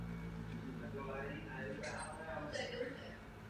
Českou delegaci na konferenci vedl ministr životního prostředí Richard Brabec.